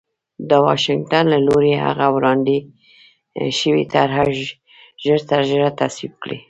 د واشنګټن له لوري هغه وړاندې شوې طرح ژرترژره تصویب کړي